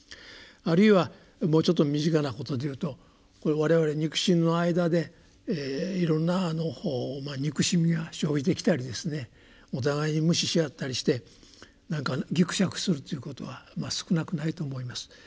あるいはもうちょっと身近なことで言うと我々肉親の間でいろんな憎しみが生じてきたりですねお互いに無視し合ったりしてぎくしゃくするっていうことは少なくないと思います。